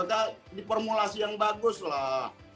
nggak diformulasi yang bagus lah